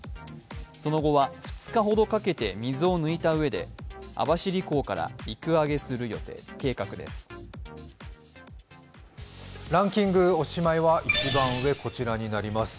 その後は２日ほどかけて、水を抜いたうえで網走港から陸揚げする計画です。